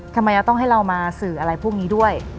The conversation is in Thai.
ทำไมเราต้องให้เรามาสื่ออะไรพวกนี้ด้วย